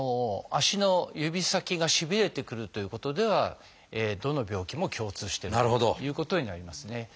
足の指先がしびれてくるということではどの病気も共通してるということになりますね。